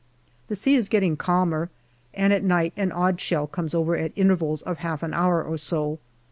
The sea is getting calmer, and at night an odd shell comes over at intervals of half an hour or so.